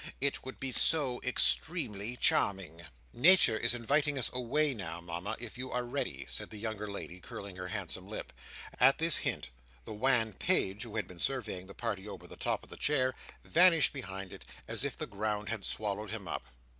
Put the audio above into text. It would be so extremely charming." "Nature is inviting us away now, Mama, if you are ready," said the younger lady, curling her handsome lip. At this hint, the wan page, who had been surveying the party over the top of the chair, vanished behind it, as if the ground had swallowed him up.